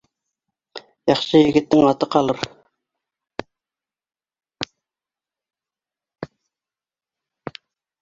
Яҡшы егеттең аты ҡалыр